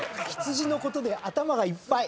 羊のことで頭がいっぱい。